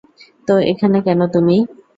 তো এখানে কেন তুমি?